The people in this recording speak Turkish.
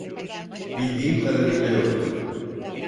Bildiğim kadarıyla yoktu.